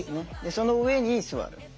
その上に座る。